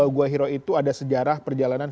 gua hiro itu ada sejarah perjalanan